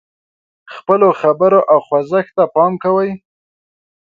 خپلو خبرو او خوځښت ته پام کوي.